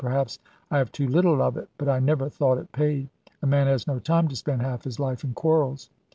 " Perhaps I have too little of it ; but I never thought it paid. A man has no time to spend half his life in quarrels.